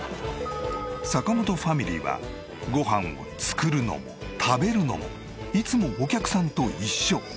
坂本ファミリーはご飯を作るのも食べるのもいつもお客さんと一緒。